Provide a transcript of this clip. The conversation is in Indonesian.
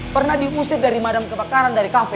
pernah diusir dari madam kebakaran dari kafe